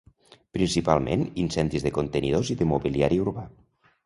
Principalment, incendis de contenidors i de mobiliari urbà.